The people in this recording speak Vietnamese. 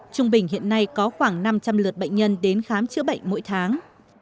trung bình hiện nay có khoảng năm trăm linh lượt bệnh nhân đến khám chữa bệnh mỗi tháng